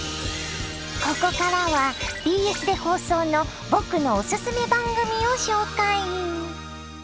ここからはＢＳで放送の僕のオススメ番組を紹介。